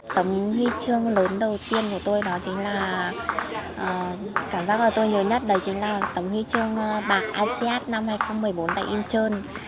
tấm huy chương lớn đầu tiên của tôi đó chính là cảm giác mà tôi nhớ nhất đó chính là tấm huy chương bạc asean năm hai nghìn một mươi bốn tại incheon